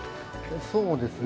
そうですね。